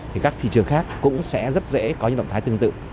thì các thị trường khác cũng sẽ rất dễ có những động thái tương tự